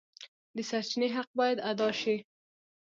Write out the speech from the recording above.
د سرچینې حق باید ادا شي.